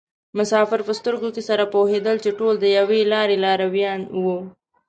مسافر په سترګو کې سره پوهېدل چې ټول د یوې لارې لارویان وو.